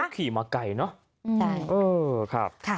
โอ้ขี่มาไกลเนอะอืมใช่เออครับค่ะ